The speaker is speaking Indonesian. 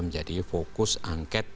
menjadi fokus angket